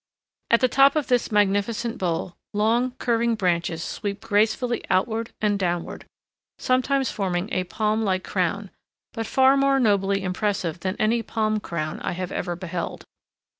At the top of this magnificent bole, long, curving branches sweep gracefully outward and downward, sometimes forming a palm like crown, but far more nobly impressive than any palm crown I ever beheld.